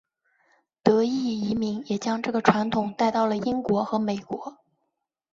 德裔移民也将这个传统带到了英国和美国。